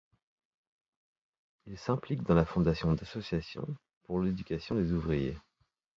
Il s'implique dans la fondation d'associations pour l'éducation des ouvriers.